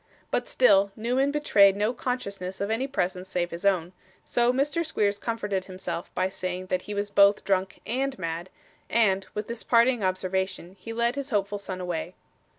But, still Newman betrayed no consciousness of any presence save his own; so, Mr. Squeers comforted himself by saying that he was both drunk AND mad; and, with this parting observation, he led his hopeful son away.